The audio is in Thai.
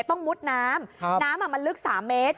ต้องมุดน้ำน้ำมันลึก๓เมตร